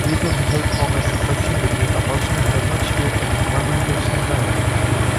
Behavior results from an interaction between a person's internal state and environmental stimuli.